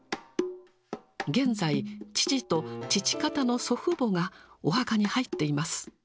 現在、父と父方の祖父母がお墓に入っています。